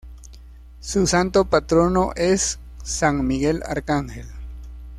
Su Santo Patrono es "San Miguel Arcángel".